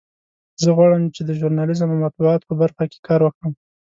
زه غواړم چې د ژورنالیزم او مطبوعاتو په برخه کې کار وکړم